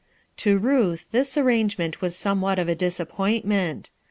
To Ruth this arrangement was somewhat of a disappointment.